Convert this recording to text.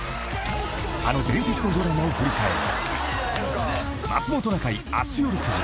［あの伝説のドラマを振り返る］